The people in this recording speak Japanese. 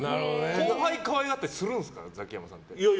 後輩可愛がったりするんですかザキヤマさんって。